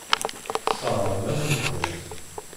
Sseṛɣen-awen-tent.